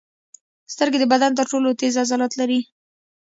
سترګې د بدن تر ټولو تېز عضلات لري.